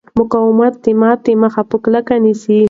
مقاومت د ماتې مخه په کلکه نیسي.